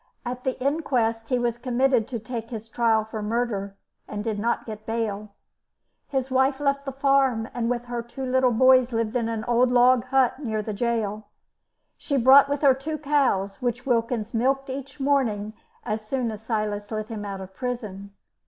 At the inquest he was committed to take his trial for murder, and did not get bail. His wife left the farm, and with her two little boys lived in an old log hut near the gaol. She brought with her two cows, which Wilkins milked each morning as soon as Silas let him out of prison.